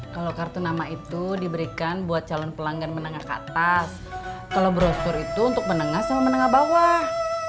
kalau kartu nama itu diberikan buat calon pelanggan menengah ke atas kalau brosstur itu untuk menengah sama menengah bawah